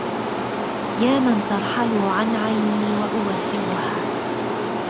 يا من ترحل عن عيني وأودعها